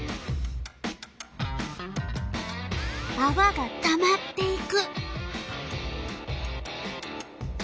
あわがたまっていく。